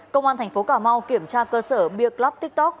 công an thành phố cà mau kiểm tra cơ sở biêc lắp tiktok